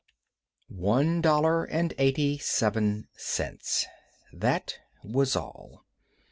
Henry One dollar and eighty seven cents. That was all.